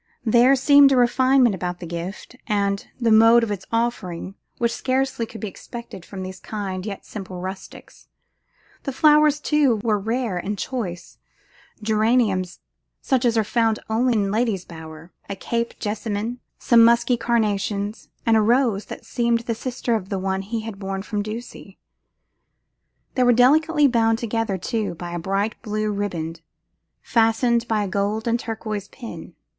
There seemed a refinement about the gift, and the mode of its offering, which scarcely could be expected from these kind yet simple rustics. The flowers, too, were rare and choice; geraniums such as are found only in lady's bower, a cape jessamine, some musky carnations, and a rose that seemed the sister of the one that he had borne from Ducie. They were delicately bound together, too, by a bright blue riband, fastened by a gold and turquoise pin.